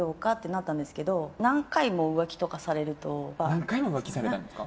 何回も浮気されたんですか？